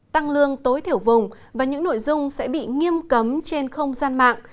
tăng lương tối thiểu vùng và những nội dung sẽ bị nghiêm cấm trên không gian mạng